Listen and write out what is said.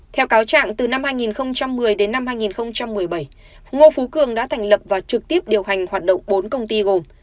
theo cáo trạng từ năm hai nghìn một mươi đến năm hai nghìn một mươi bảy ngô phú cường đã thành lập và trực tiếp điều hành hoạt động bốn công ty gồm